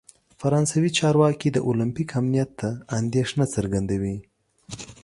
فرانسوي چارواکي د اولمپیک امنیت ته اندیښنه څرګندوي.